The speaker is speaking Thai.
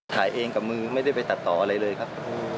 ถ่ายเองกับมือไม่ได้ไปตัดต่ออะไรเลยครับ